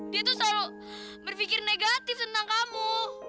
dia tuh selalu berpikir negatif tentang kamu